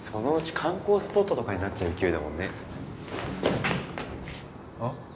観光スポットとかになっちゃう勢いだもんねうん？